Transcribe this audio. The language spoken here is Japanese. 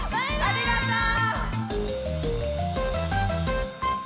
ありがとう！